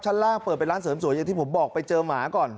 ล่างเปิดเป็นร้านเสริมสวยอย่างที่ผมบอกไปเจอหมาก่อน